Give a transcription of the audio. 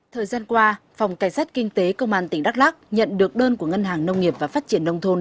thời gian qua phòng cảnh sát kinh tế công an tỉnh đắk lắc nhận được đơn của ngân hàng nông nghiệp và phát triển nông thôn